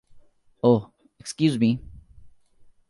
Oh, excuse me.